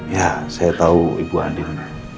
ya saya tahu ibu adil